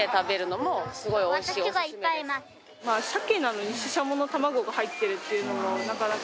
鮭なのにししゃもの卵が入ってるっていうのもなかなか。